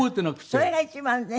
あっそれが一番ね。